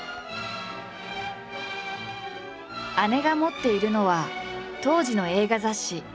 姉が持っているのは当時の映画雑誌。